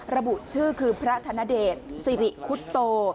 ระบุชื่อคือพระธนเดชสิริคุตโต